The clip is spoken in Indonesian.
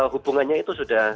hubungannya itu sudah